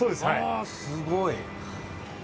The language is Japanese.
あすごい。